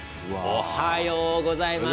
おはようございます。